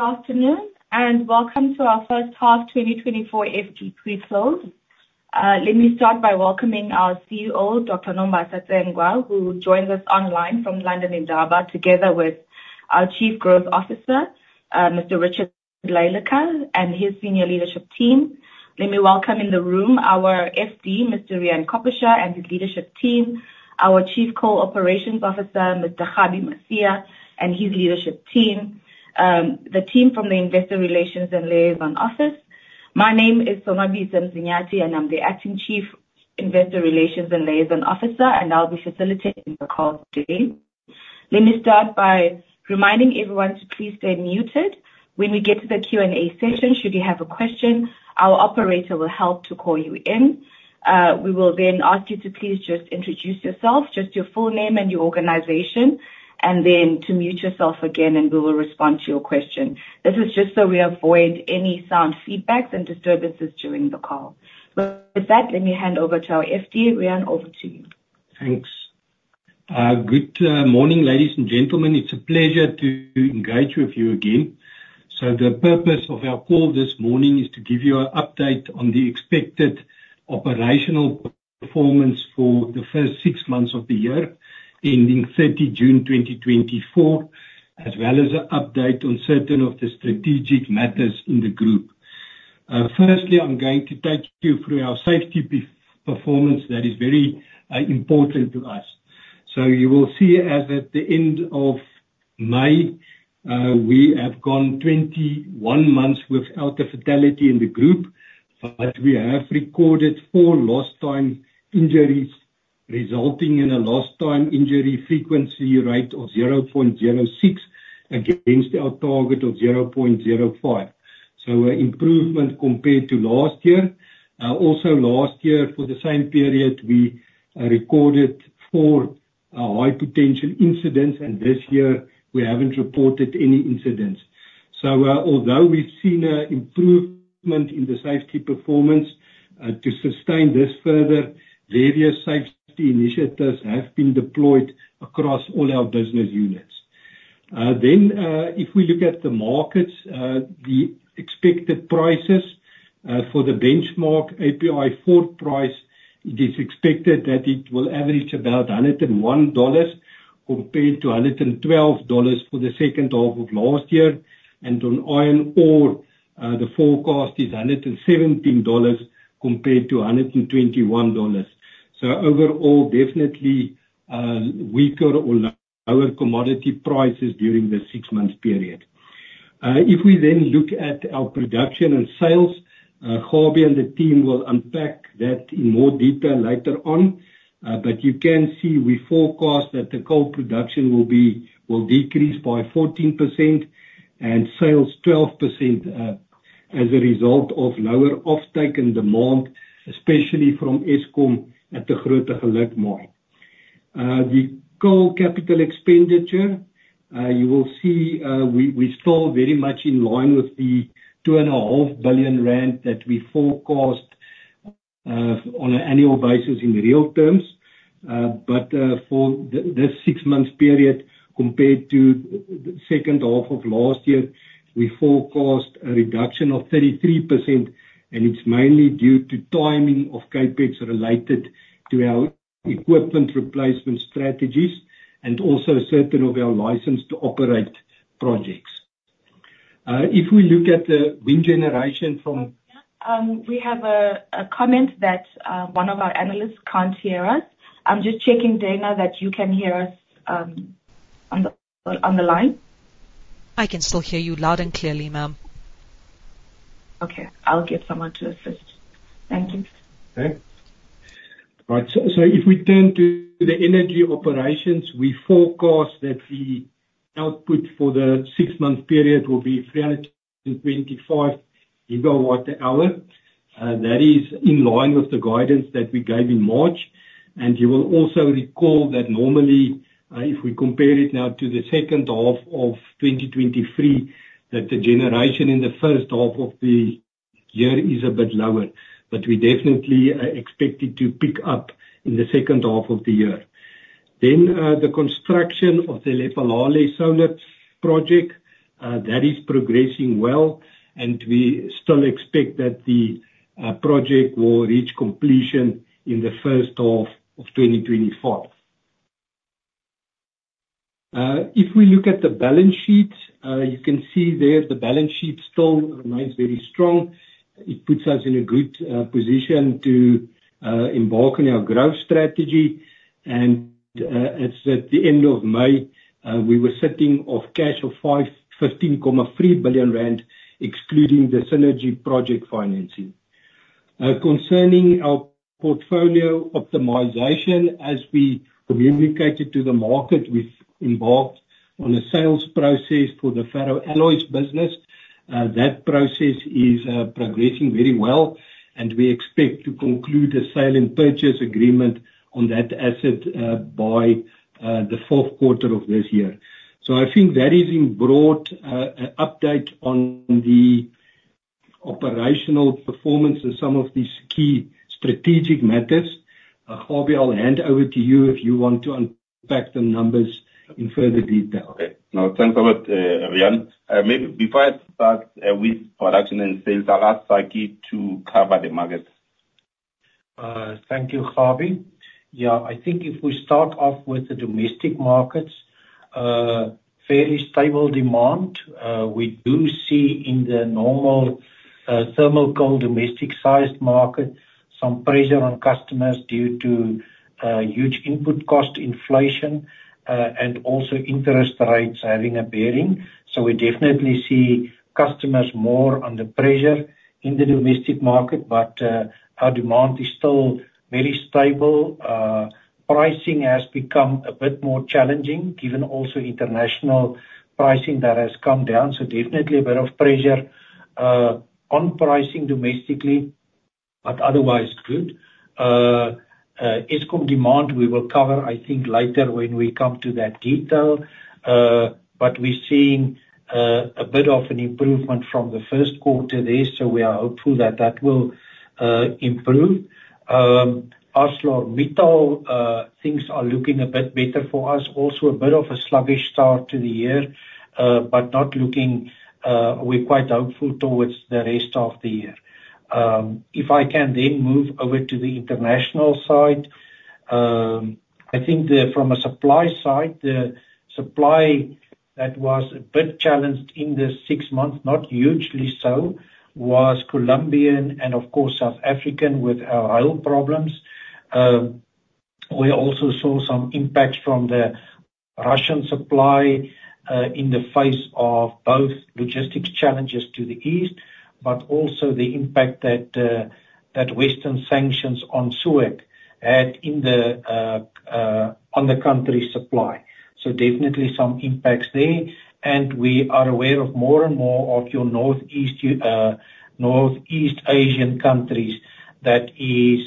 Good afternoon and welcome to our first half 2024 FD Pre-Close. Let me start by welcoming our CEO, Dr. Nombasa Tsengwa, who joins us online from London, Nijaba, together with our Chief Growth Officer, Mr. Richard Lilleike, and his senior leadership team. Let me welcome in the room our FD, Mr. Riaan Koppeschaar, and his leadership team. Our Chief Operations Officer, Mr. Kgabi Masia, and his leadership team. The team from the Investor Relations and Liaison Office. My name is Sonwabise Mzinyathi, and I'm the Acting Chief Investor Relations and Liaison Officer, and I'll be facilitating the call today. Let me start by reminding everyone to please stay muted. When we get to the Q&A session, should you have a question, our operator will help to call you in. We will then ask you to please just introduce yourself, just your full name and your organization, and then to mute yourself again, and we will respond to your question. This is just so we avoid any sound feedbacks and disturbances during the call. With that, let me hand over to our FD. Riaan, over to you. Thanks. Good morning, ladies and gentlemen. It's a pleasure to engage with you again. The purpose of our call this morning is to give you an update on the expected operational performance for the first six months of the year ending 30 June 2024, as well as an update on certain of the strategic matters in the group. Firstly, I'm going to take you through our safety performance that is very important to us. You will see as at the end of May, we have gone 21 months without a fatality in the group, but we have recorded four lost-time injuries resulting in a lost-time injury frequency rate of 0.06 against our target of 0.05. This is an improvement compared to last year. Also, last year for the same period, we recorded four high potential incidents, and this year we haven't reported any incidents. Although we've seen an improvement in the safety performance, to sustain this further, various safety initiatives have been deployed across all our business units. If we look at the markets, the expected prices for the benchmark API4 price, it is expected that it will average about $101 compared to $112 for the second half of last year. On iron ore, the forecast is $117 compared to $121. Overall, definitely weaker or lower commodity prices during the six-month period. If we then look at our production and sales, Kgabi and the team will unpack that in more detail later on. You can see we forecast that the coal production will decrease by 14% and sales 12% as a result of lower offtake and demand, especially from Eskom at the Grootegeluk Mine. The coal capital expenditure, you will see we are still very much in line with the 2.5 billion rand that we forecast on an annual basis in real terms. For this six-month period compared to the second half of last year, we forecast a reduction of 33%, and it's mainly due to timing of CapEx related to our equipment replacement strategies and also certain of our license to operate projects. If we look at the wind generation from. We have a comment that one of our analysts can't hear us. I'm just checking, Dana, that you can hear us on the line. I can still hear you loud and clearly, ma'am. Okay. I'll get someone to assist. Thank you. Okay. Right. If we turn to the energy operations, we forecast that the output for the six-month period will be 325 GW hour. That is in line with the guidance that we gave in March. You will also recall that normally if we compare it now to the second half of 2023, the generation in the first half of the year is a bit lower, but we definitely expect it to pick up in the second half of the year. The construction of the Lephalale Solar Project is progressing well, and we still expect that the project will reach completion in the first half of 2024. If we look at the balance sheet, you can see there the balance sheet still remains very strong. It puts us in a good position to embark on our growth strategy. At the end of May, we were sitting off cash of 15.3 billion rand, excluding the Cennergi project financing. Concerning our portfolio optimization, as we communicated to the market, we have embarked on a sales process for the ferroalloy business. That process is progressing very well, and we expect to conclude a sale and purchase agreement on that asset by the fourth quarter of this year. I think that is a broad update on the operational performance and some of these key strategic matters. Kgabi, I will hand over to you if you want to unpack the numbers in further detail. Okay. No, thanks a lot, Riaan. Maybe before I start with production and sales, I'll ask Lilleike to cover the markets. Thank you, Kgabi. Yeah, I think if we start off with the domestic markets, fairly stable demand. We do see in the normal thermal coal domestic sized market some pressure on customers due to huge input cost inflation and also interest rates having a bearing. We definitely see customers more under pressure in the domestic market, but our demand is still very stable. Pricing has become a bit more challenging given also international pricing that has come down. Definitely a bit of pressure on pricing domestically, but otherwise good. Eskom demand, we will cover, I think, later when we come to that detail. We are seeing a bit of an improvement from the first quarter there, so we are hopeful that that will improve. ArcelorMittal, things are looking a bit better for us. Also a bit of a sluggish start to the year, but not looking we're quite hopeful towards the rest of the year. If I can then move over to the international side, I think from a supply side, the supply that was a bit challenged in the six months, not hugely so, was Colombia and of course South African with our rail problems. We also saw some impacts from the Russian supply in the face of both logistics challenges to the east, but also the impact that Western sanctions on SUEK had on the country's supply. Definitely some impacts there. We are aware of more and more of your Northeast Asian countries that is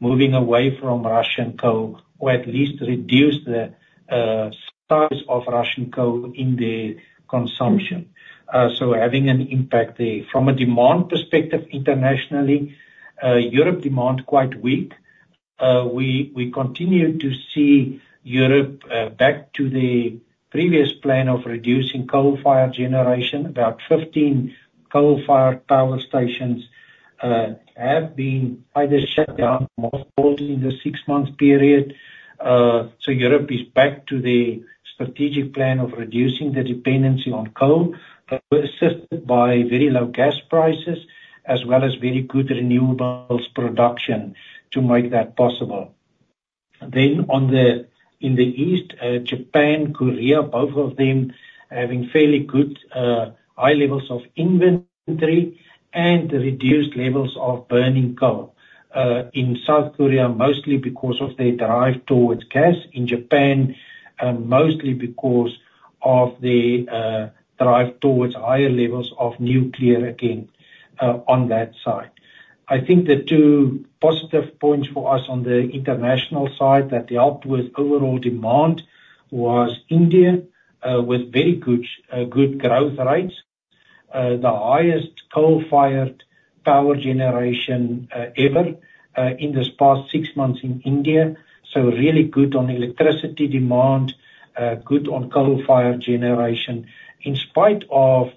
moving away from Russian coal, or at least reduce the size of Russian coal in the consumption. Having an impact there. From a demand perspective internationally, Europe demand quite weak. We continue to see Europe back to the previous plan of reducing coal-fired generation. About 15 coal-fired power stations have been either shut down or closed in the six-month period. Europe is back to the strategic plan of reducing the dependency on coal, assisted by very low gas prices as well as very good renewables production to make that possible. In the east, Japan and Korea, both of them having fairly good high levels of inventory and reduced levels of burning coal. In South Korea, mostly because of their drive towards gas. In Japan, mostly because of their drive towards higher levels of nuclear again on that side. I think the two positive points for us on the international side that helped with overall demand was India with very good growth rates. The highest coal-fired power generation ever in this past six months in India. Really good on electricity demand, good on coal-fired generation, in spite of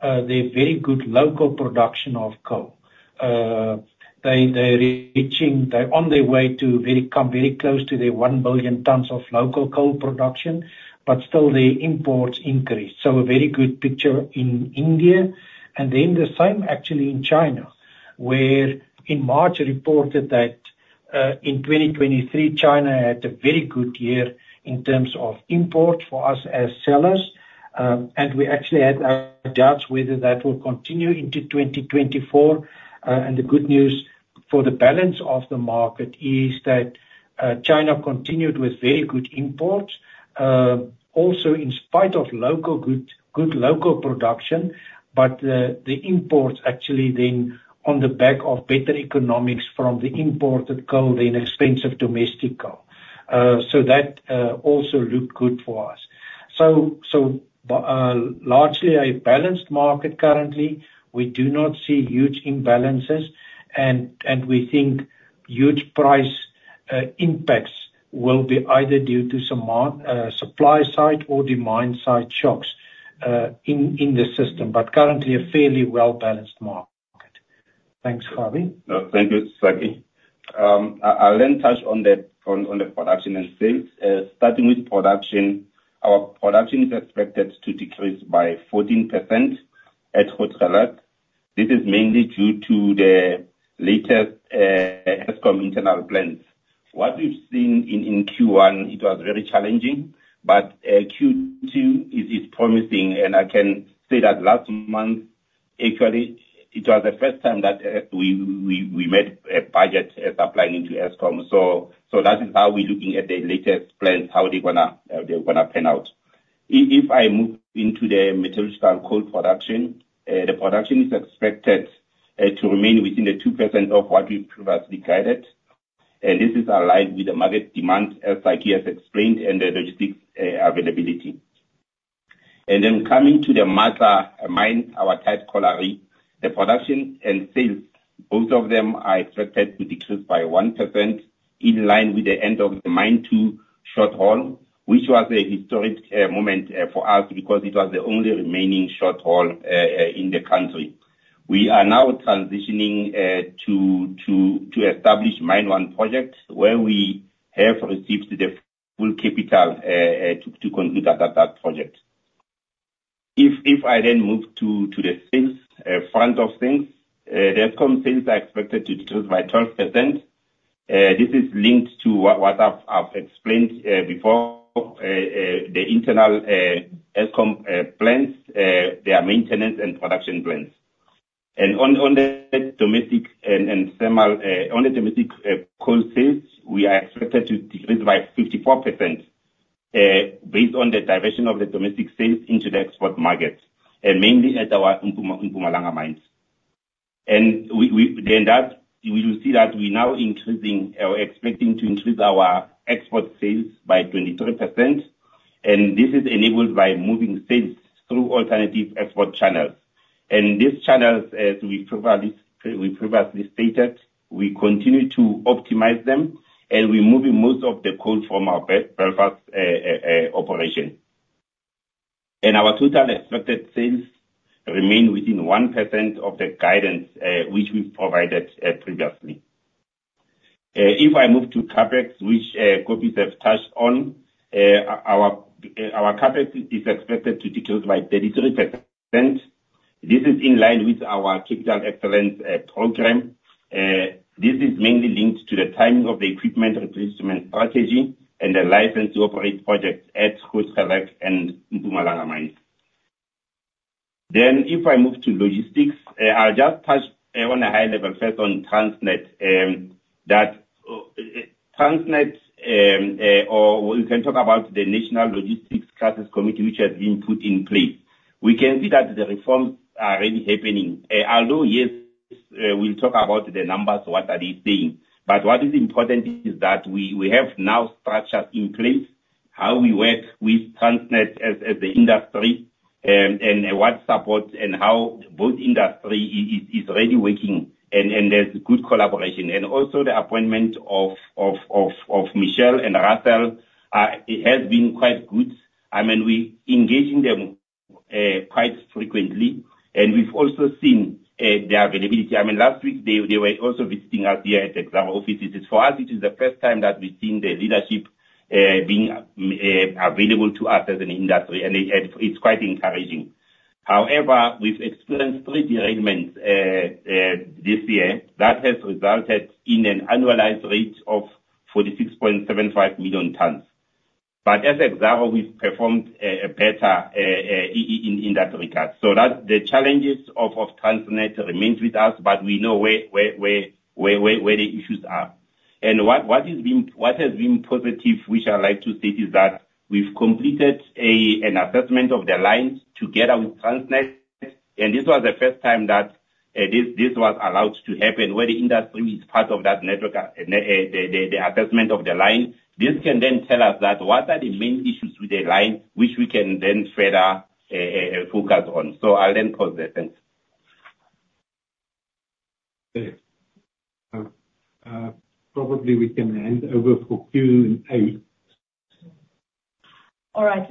their very good local production of coal. They are on their way to come very close to their one billion tons of local coal production, but still their imports increased. A very good picture in India. The same actually in China, where in March reported that in 2023, China had a very good year in terms of imports for us as sellers. We actually had our doubts whether that will continue into 2024. The good news for the balance of the market is that China continued with very good imports, also in spite of good local production, but the imports actually then on the back of better economics from the imported coal than expensive domestic coal. That also looked good for us. Largely a balanced market currently. We do not see huge imbalances, and we think huge price impacts will be either due to some supply side or demand side shocks in the system, but currently a fairly well-balanced market. Thanks, Kgabi. Thank you, Sakie. I'll then touch on the production and sales. Starting with production, our production is expected to decrease by 14% at Grootegeluk. This is mainly due to the latest Eskom internal plans. What we've seen in Q1, it was very challenging, but Q2 is promising. I can say that last month, actually, it was the first time that we made a budget supplying into Eskom. That is how we're looking at the latest plans, how they're going to pan out. If I move into the metallurgical coal production, the production is expected to remain within the 2% of what we previously guided. This is aligned with the market demand, as Sakie has explained, and the logistics availability. Then coming to the mine, our Matla Colliery, the production and sales, both of them are expected to decrease by 1% in line with the end of the Mine 2 shortwall, which was a historic moment for us because it was the only remaining shortwall in the country. We are now transitioning to establish Mine 1 Project where we have received the full capital to conclude that project. If I then move to the sales front of things, the Eskom sales are expected to decrease by 12%. This is linked to what I have explained before, the internal Eskom plans, their maintenance and production plans. On the domestic and thermal coal sales, we are expected to decrease by 54% based on the direction of the domestic sales into the export market, and mainly at our Mpumalanga mines. We will see that we're now expecting to increase our export sales by 23%. This is enabled by moving sales through alternative export channels. These channels, as we previously stated, we continue to optimize them, and we're moving most of the coal from our Belfast operation. Our total expected sales remain within 1% of the guidance which we've provided previously. If I move to CapEx, which Kgabi has touched on, our CapEx is expected to decrease by 33%. This is in line with our Capital Excellence Program. This is mainly linked to the timing of the equipment replacement strategy and the license to operate projects at Grootegeluk and Mpumalanga mines. If I move to logistics, I'll just touch on a high level first on Transnet. You can talk about the National Logistics Crisis Committee, which has been put in place. We can see that the reforms are already happening. Although yes, we'll talk about the numbers, what are they saying. What is important is that we have now structures in place, how we work with Transnet as the industry, and what support and how both industries are already working, and there's good collaboration. Also, the appointment of Michelle and Russell has been quite good. I mean, we're engaging them quite frequently, and we've also seen their availability. I mean, last week, they were also visiting us here at the Exxaro offices. For us, it is the first time that we've seen the leadership being available to us as an industry, and it's quite encouraging. However, we've experienced three derailments this year that has resulted in an annualized rate of 46.75 million tons. As an example, we've performed better in that regard. The challenges of Transnet remain with us, but we know where the issues are. What has been positive, which I'd like to state, is that we've completed an assessment of the lines together with Transnet. This was the first time that this was allowed to happen where the industry is part of that network, the assessment of the line. This can then tell us what are the main issues with the line, which we can then further focus on. I'll then pause there. Thanks. Okay. Probably we can hand over for Q&A. All right.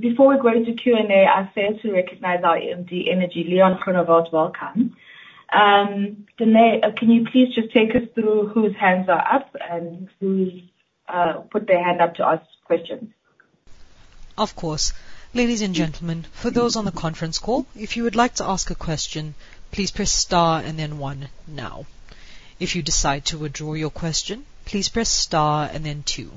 Before we go to Q&A, I failed to recognize our EMD Energy, Leon Groenewald, welcome. Can you please just take us through whose hands are up and who's put their hand up to ask questions? Of course. Ladies and gentlemen, for those on the conference call, if you would like to ask a question, please press star and then one now. If you decide to withdraw your question, please press star and then two.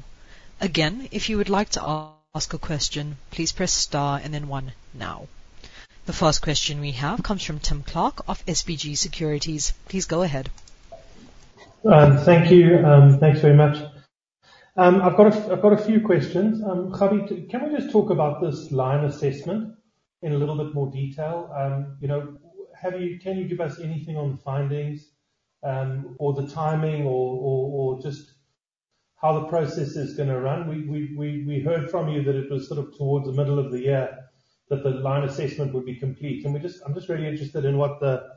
Again, if you would like to ask a question, please press star and then one now. The first question we have comes from Tim Clark of SBG Securities. Please go ahead. Thank you. Thanks very much. I've got a few questions. Kgabi, can we just talk about this line assessment in a little bit more detail? Can you give us anything on the findings or the timing or just how the process is going to run? We heard from you that it was sort of towards the middle of the year that the line assessment would be complete. I'm just really interested in what the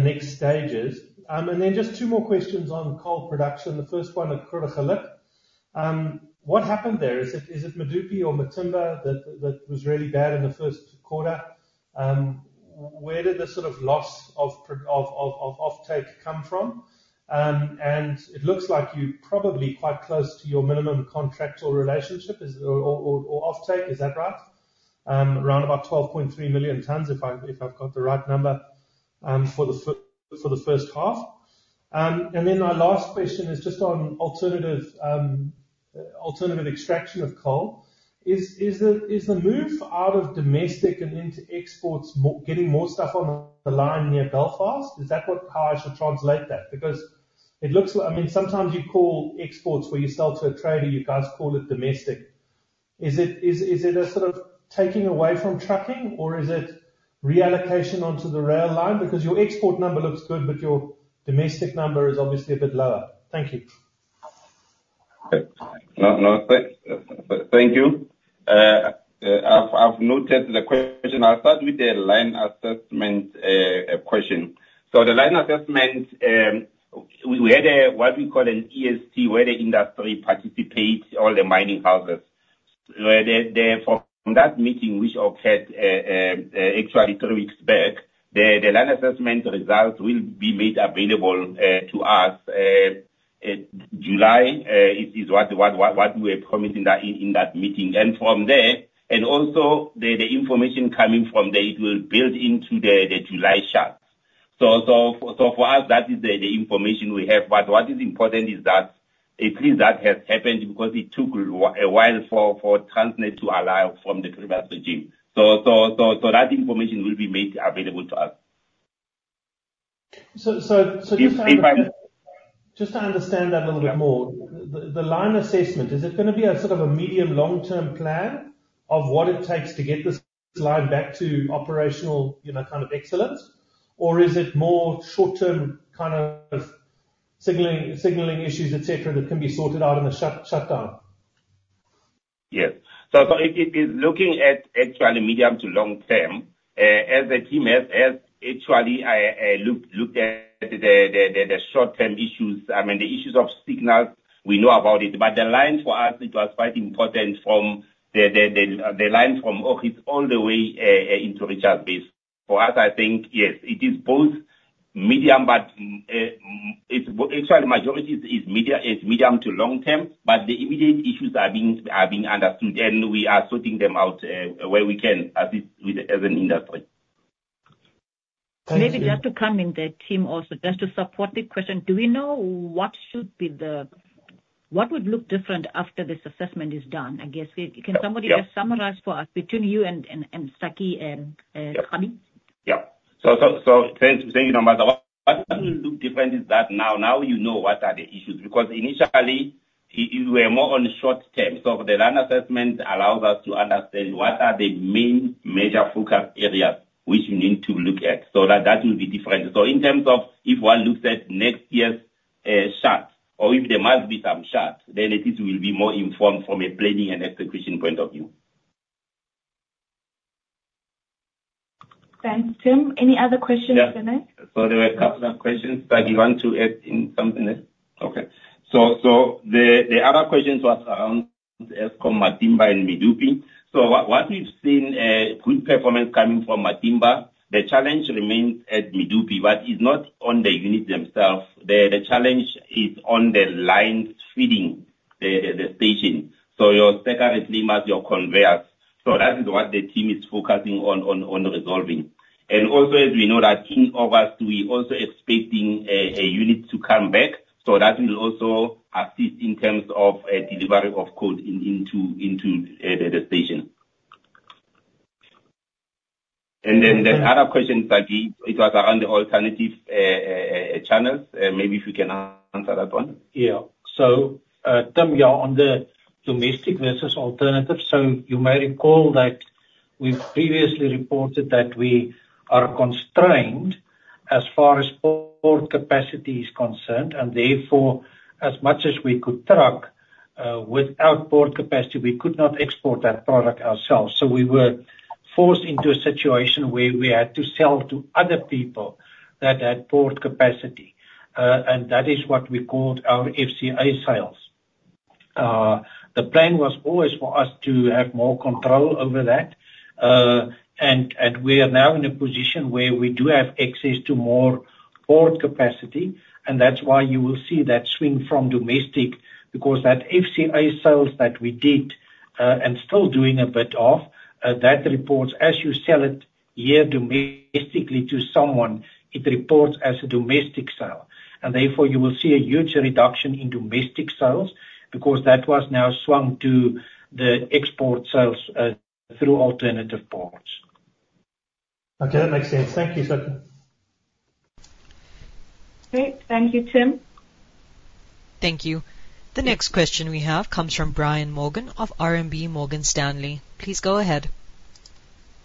next stage is. I have two more questions on coal production. The first one at Kgabi Masia. What happened there? Is it Medupi or Matimba that was really bad in the first quarter? Where did the sort of loss of offtake come from? It looks like you're probably quite close to your minimum contractual relationship or offtake, is that right? Around about 12.3 million tons, if I've got the right number for the first half. And then my last question is just on alternative extraction of coal. Is the move out of domestic and into exports getting more stuff on the line near Belfast? Is that how I should translate that? Because it looks like I mean, sometimes you call exports where you sell to a trader, you guys call it domestic. Is it a sort of taking away from trucking, or is it reallocation onto the rail line? Because your export number looks good, but your domestic number is obviously a bit lower. Thank you. Thank you. I've noted the question. I'll start with the line assessment question. The line assessment, we had what we call an ESG, where the industry participates, all the mining houses. From that meeting, which occurred actually three weeks back, the line assessment results will be made available to us. July is what we're promising in that meeting. From there, and also the information coming from there, it will build into the July charts. For us, that is the information we have. What is important is that at least that has happened because it took a while for Transnet to allow from the previous regime. That information will be made available to us. Just to understand that a little bit more, the line assessment, is it going to be a sort of a medium-long-term plan of what it takes to get this line back to operational kind of excellence? Or is it more short-term kind of signaling issues, etc., that can be sorted out in the shutdown? Yes. Looking at actually medium to long term, as a team, as actually I looked at the short-term issues, I mean, the issues of signals, we know about it. The line for us, it was quite important from the line from office all the way into Richards Bay. For us, I think, yes, it is both medium, but actually majority is medium to long term. The immediate issues are being understood, and we are sorting them out where we can as an industry. Maybe just to come in the team also, just to support the question, do we know what should be the what would look different after this assessment is done? I guess can somebody just summarize for us between you and Sakkie and Kgabi? Yeah. Thank you, Nombasa. What will look different is that now you know what are the issues because initially, we were more on the short term. The line assessment allows us to understand what are the main major focus areas which we need to look at. That will be different. In terms of if one looks at next year's chart or if there must be some chart, then it will be more informed from a planning and execution point of view. Thanks, Tim. Any other questions, Vinay? There were a couple of questions. Sakie, you want to add something else? Okay. The other questions were around Eskom, Matimba, and Medupi. What we've seen, good performance coming from Matimba. The challenge remains at Medupi, but it's not on the unit themselves. The challenge is on the line feeding the station. Your stacker is limited, your conveyors. That is what the team is focusing on resolving. Also, as we know, in August, we're expecting a unit to come back. That will also assist in terms of delivery of coal into the station. The other question, Sakie, it was around the alternative channels. Maybe if you can answer that one. Yeah. Tim, you're on the domestic versus alternative. You may recall that we've previously reported that we are constrained as far as port capacity is concerned. Therefore, as much as we could truck without port capacity, we could not export that product ourselves. We were forced into a situation where we had to sell to other people that had port capacity. That is what we called our FCA sales. The plan was always for us to have more control over that. We are now in a position where we do have access to more port capacity. That is why you will see that swing from domestic because that FCA sales that we did and still doing a bit of, that reports as you sell it here domestically to someone, it reports as a domestic sale. You will see a huge reduction in domestic sales because that was now swung to the export sales through alternative ports. Okay. That makes sense. Thank you, Sakkie. Great. Thank you, Tim. Thank you. The next question we have comes from Brian Morgan of RMB Morgan Stanley. Please go ahead.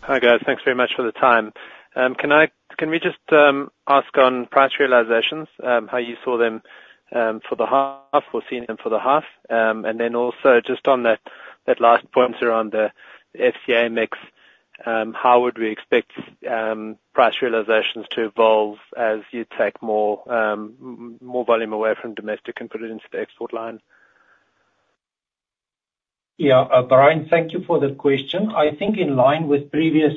Hi guys. Thanks very much for the time. Can we just ask on price realizations, how you saw them for the half or seeing them for the half? Also, just on that last point around the FCA mix, how would we expect price realizations to evolve as you take more volume away from domestic and put it into the export line? Yeah. Brian, thank you for the question. I think in line with previous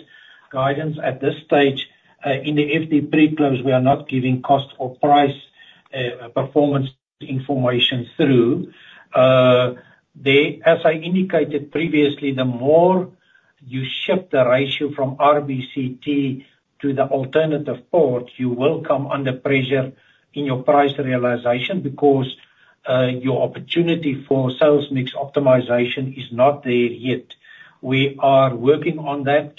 guidance at this stage, in the FD Pre-Close, we are not giving cost or price performance information through. As I indicated previously, the more you shift the ratio from RBCT to the alternative port, you will come under pressure in your price realization because your opportunity for sales mix optimization is not there yet. We are working on that,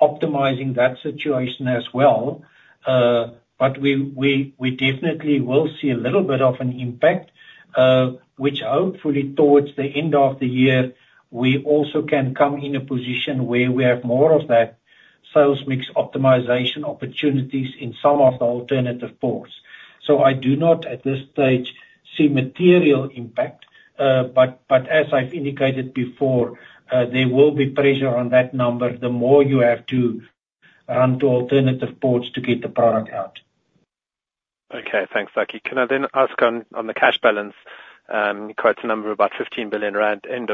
optimizing that situation as well. We definitely will see a little bit of an impact, which hopefully towards the end of the year, we also can come in a position where we have more of that sales mix optimization opportunities in some of the alternative ports. I do not at this stage see material impact. As I've indicated before, there will be pressure on that number the more you have to run to alternative ports to get the product out. Okay. Thanks, Sakie. Can I then ask on the cash balance, quite a number, about 15 billion rand around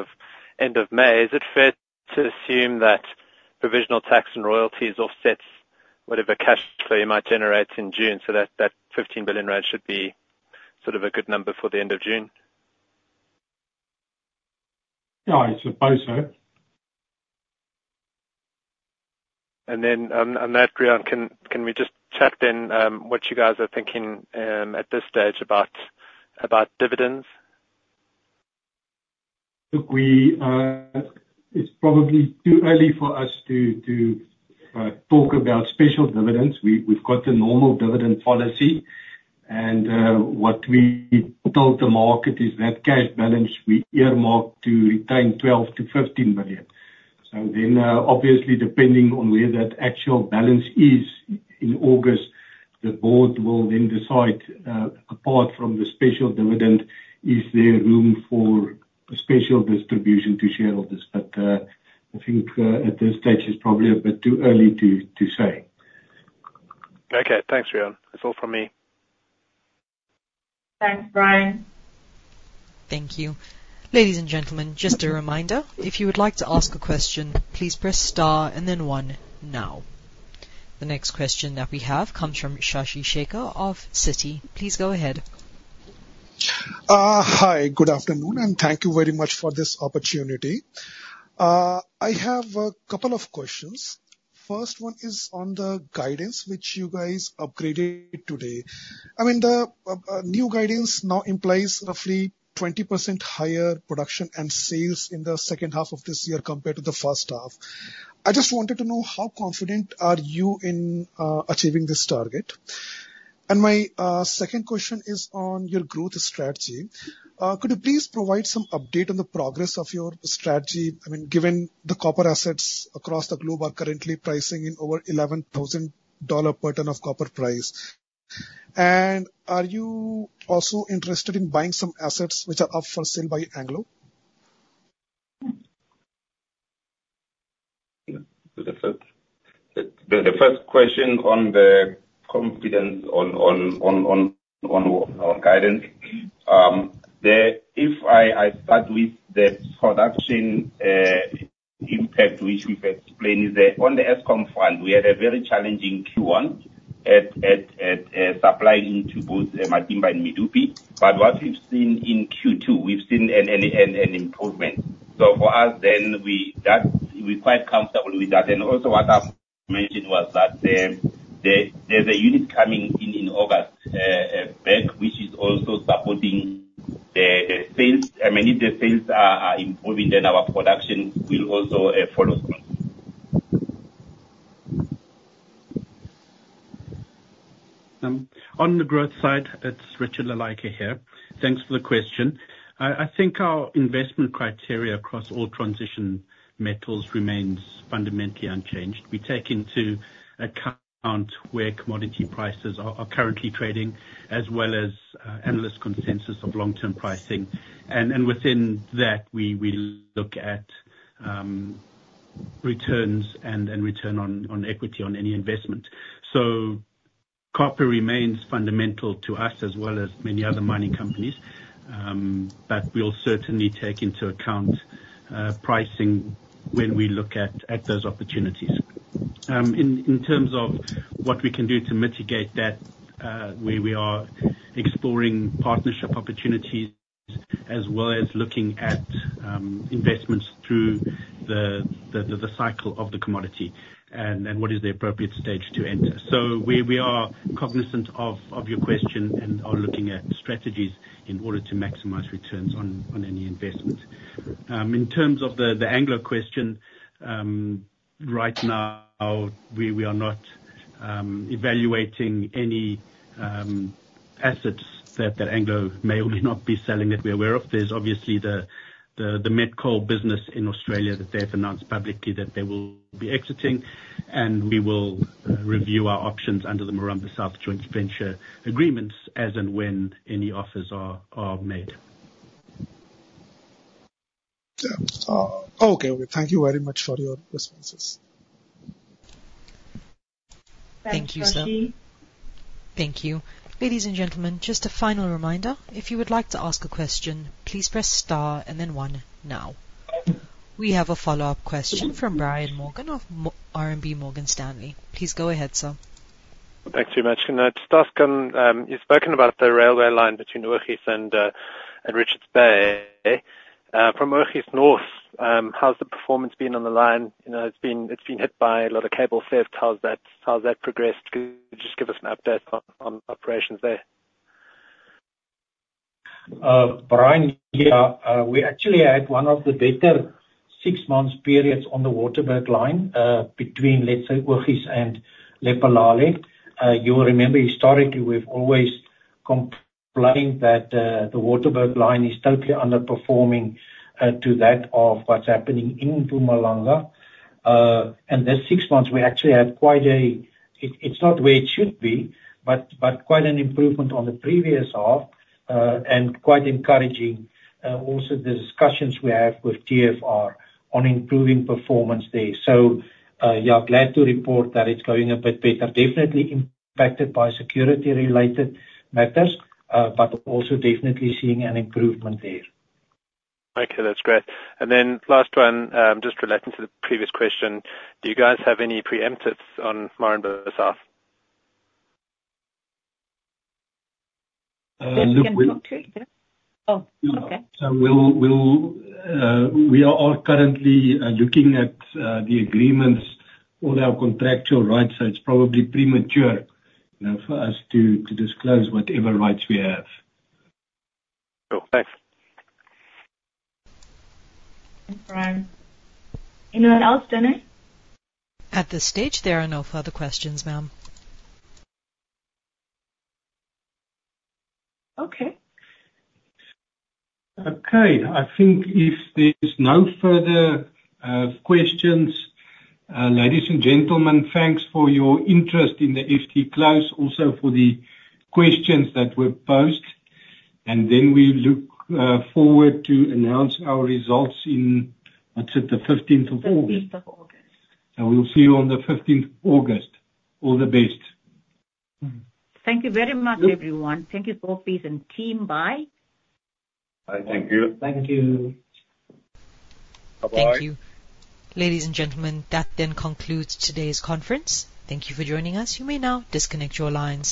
end of May, is it fair to assume that provisional tax and royalties offsets whatever cash flow you might generate in June? That 15 billion rand should be sort of a good number for the end of June? Yeah, I suppose so. On that ground, can we just chat then what you guys are thinking at this stage about dividends? Look, it's probably too early for us to talk about special dividends. We've got the normal dividend policy. What we told the market is that cash balance we earmarked to retain 12 billion-15 billion. Obviously, depending on where that actual balance is in August, the board will then decide, apart from the special dividend, is there room for special distribution to shareholders. I think at this stage, it's probably a bit too early to say. Okay. Thanks, Riaan. That's all from me. Thanks, Brian. Thank you. Ladies and gentlemen, just a reminder, if you would like to ask a question, please press star and then one now. The next question that we have comes from Shashi Shekhar of Citi. Please go ahead. Hi, good afternoon, and thank you very much for this opportunity. I have a couple of questions. First one is on the guidance which you guys upgraded today. I mean, the new guidance now implies roughly 20% higher production and sales in the second half of this year compared to the first half. I just wanted to know how confident are you in achieving this target? My second question is on your growth strategy. Could you please provide some update on the progress of your strategy? I mean, given the copper assets across the globe are currently pricing in over $11,000 per ton of copper price. Are you also interested in buying some assets which are up for sale by Anglo? The first question on the confidence on guidance, if I start with the production impact which we've explained, on the Eskom front, we had a very challenging Q1 at supplying into both Matimba and Medupi. What we've seen in Q2, we've seen an improvement. For us, then we're quite comfortable with that. Also what I mentioned was that there's a unit coming in August back, which is also supporting the sales. I mean, if the sales are improving, then our production will also follow. On the growth side, it's Richard Lilleike here. Thanks for the question. I think our investment criteria across all transition metals remains fundamentally unchanged. We take into account where commodity prices are currently trading, as well as endless consensus of long-term pricing. Within that, we look at returns and return on equity on any investment. Copper remains fundamental to us as well as many other mining companies. We'll certainly take into account pricing when we look at those opportunities. In terms of what we can do to mitigate that, we are exploring partnership opportunities as well as looking at investments through the cycle of the commodity and what is the appropriate stage to enter. We are cognizant of your question and are looking at strategies in order to maximize returns on any investment. In terms of the Anglo question, right now, we are not evaluating any assets that Anglo may or may not be selling that we're aware of. There is obviously the Metco business in Australia that they've announced publicly that they will be exiting. We will review our options under the Moranbah South Joint Venture Agreements as and when any offers are made. Okay. Thank you very much for your responses. Thank you, sir. Thank you. Ladies and gentlemen, just a final reminder, if you would like to ask a question, please press star and then one now. We have a follow-up question from Brian Morgan of RMB Morgan Stanley. Please go ahead, sir. Thanks very much. Can I just ask? You've spoken about the railway line between Oryx and Richards Bay. From Oryx North, how's the performance been on the line? It's been hit by a lot of cable theft. How's that progressed? Could you just give us an update on operations there? Yeah. We actually had one of the better six-month periods on the Waterberg line between, let's say, Oryx and Lephalale. You will remember historically, we've always complained that the Waterberg line is totally underperforming to that of what's happening in Mpumalanga. This six months, we actually had quite a—it's not where it should be, but quite an improvement on the previous half and quite encouraging also the discussions we have with TFR on improving performance there. Yeah, glad to report that it's going a bit better. Definitely impacted by security-related matters, but also definitely seeing an improvement there. Okay. That's great. And then last one, just relating to the previous question, do you guys have any preemptives on Moranbah South? We can talk to it. Oh, okay. We are currently looking at the agreements, all our contractual rights. It's probably premature for us to disclose whatever rights we have. Cool. Thanks. Thanks, Brian. Anyone else, Vinay? At this stage, there are no further questions, ma'am. Okay. Okay. I think if there's no further questions, ladies and gentlemen, thanks for your interest in the FD Pre-Close, also for the questions that were posed. We look forward to announce our results on the 15th of August. 15th of August. We'll see you on the 15th of August. All the best. Thank you very much, everyone. Thank you, Sophie and team, bye. Thank you. Thank you. Bye-bye. Thank you. Ladies and gentlemen, that then concludes today's conference. Thank you for joining us. You may now disconnect your lines.